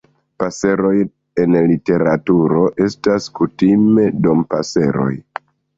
Paseroj en literaturo estas kutime Dompaseroj.